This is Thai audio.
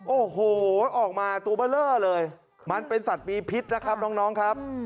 โอ้โหออกมาตัวเบอร์เลอร์เลยมันเป็นสัตว์มีพิษนะครับน้องครับ